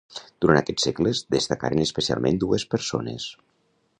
Durant aquests segles destacaren especialment dues persones.